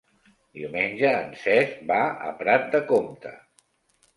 Diumenge en Cesc va a Prat de Comte.